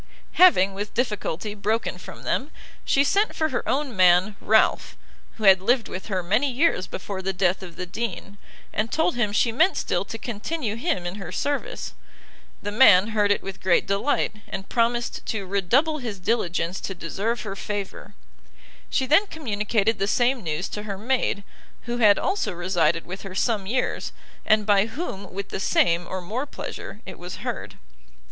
Having, with difficulty, broken from them, she sent for her own man, Ralph, who had lived with her many years before the death of the Dean, and told him she meant still to continue him in her service. The man heard it with great delight, and promised to re double his diligence to deserve her favour. She then communicated the same news to her maid, who had also resided with her some years, and by whom with the same, or more pleasure it was heard.